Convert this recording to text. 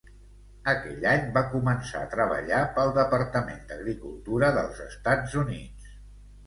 Aquell any, va començar a treballar pel Departament d'Agricultura dels Estats Units.